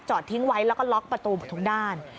จอดทิ้งไว้แล้วก็ล็อกประตูบนทุนด้าน